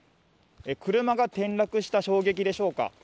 車が転落した衝撃でしょうか